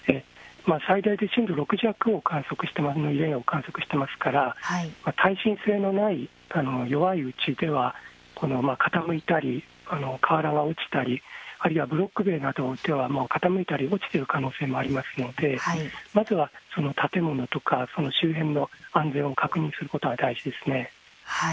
最大で震度６弱の揺れを観測していますから耐震性のない弱い家というのは傾いたり瓦が落ちたり、あるいはブロック塀などが傾いたり落ちたりしている可能性もありますので、まずはその建物とか周辺の安全を確認することが大切です。